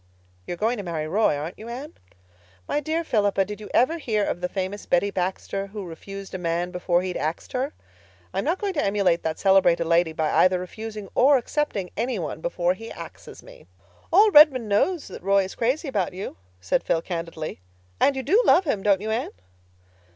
You're going to marry Roy, aren't you, Anne?" "My dear Philippa, did you ever hear of the famous Betty Baxter, who 'refused a man before he'd axed her'? I am not going to emulate that celebrated lady by either refusing or accepting any one before he 'axes' me." "All Redmond knows that Roy is crazy about you," said Phil candidly. "And you do love him, don't you, Anne?"